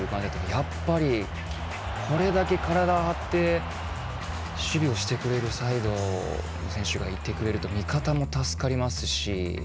やっぱりこれだけ体を張って守備をしてくれるサイドの選手がいてくれると味方も助かりますし。